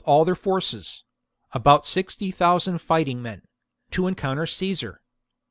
all their forces — about sixty thousand fighting men — to encounter Caesar.